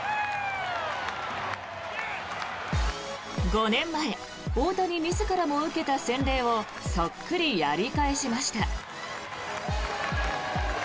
５年前、大谷自らも受けた洗礼をそっくりやり返しました。